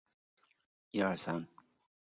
在此处代表申根签证。